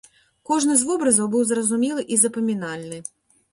Кожны з вобразаў быў зразумелы і запамінальны.